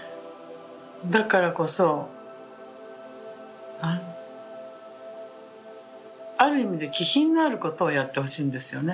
だからこそある意味で気品のあることをやってほしいんですよね。